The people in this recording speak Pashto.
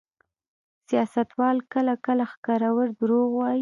سیاستوال کله کله ښکرور دروغ وايي.